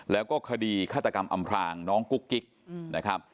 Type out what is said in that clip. แล้วก็คดีฆาตกรรมอำพลางน้องกุ๊กกิ๊กนะครับ